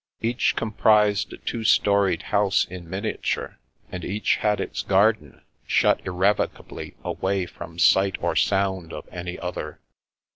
Each comprised a two storied house in miniature, and each had its garden, shut irrevocably away from sight or sound of any other.